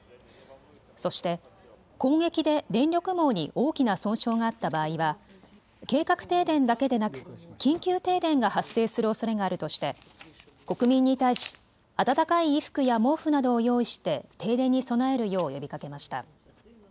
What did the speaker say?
そして、攻撃で電力網に大きな損傷があった場合は計画停電だけでなく緊急停電が発生するおそれがあるとして国民に対し暖かい衣服や毛布などを用意して停電に備えるよう呼びかけました。